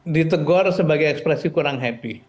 ditegur sebagai ekspresi kurang happy